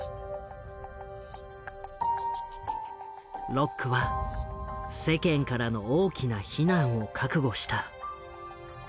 ロックは世間からの大きな非難を覚悟した。